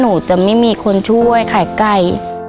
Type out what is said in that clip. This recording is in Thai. หนูจะไม่มีคนช่วยขายไก่